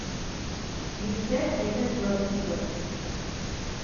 Yusa-d deg tazwara n useggas.